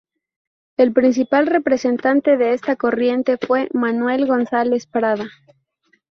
El principal representante de esta corriente fue Manuel Gonzáles Prada.